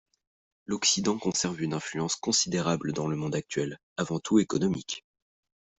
L'Occident conserve une influence considérable dans le monde actuel, avant tout économique.